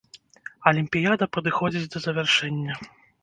Алімпіяда падыходзіць да завяршэння.